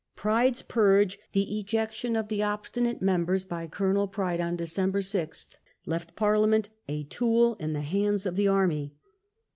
"Pride's Purge", the ejection of the obstinate members by Col. Pride on December 6, left Parliament a tool in the hands of the army.